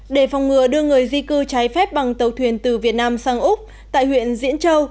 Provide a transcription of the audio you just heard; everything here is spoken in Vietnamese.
để phòng ngừa đưa người di cư trái phép bằng tàu thuyền từ việt nam sang úc tại huyện diễn châu